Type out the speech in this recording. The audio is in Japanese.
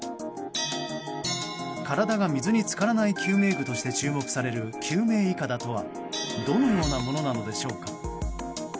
体が水に浸からない救命具として注目される救命いかだとはどのようなものなのでしょうか？